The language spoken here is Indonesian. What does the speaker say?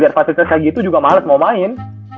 biar fasilitas kayak gitu juga males mau main